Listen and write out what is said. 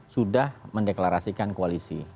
sudah mendeklarasikan koalisi